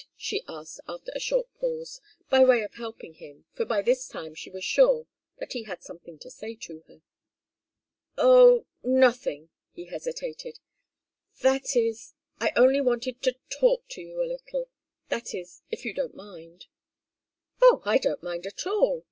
she asked, after a short pause, by way of helping him, for by this time she was sure that he had something to say to her. "Oh nothing " He hesitated. "That is I only wanted to talk to you a little that is, if you don't mind." "Oh, I don't mind at all!"